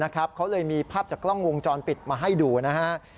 เขาเลยมีภาพจากกล้องวงจรปิดมาให้ดูนะฮะ